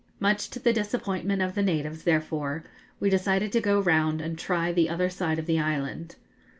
Much to the disappointment of the natives, therefore, we decided to go round and try the other side of the island.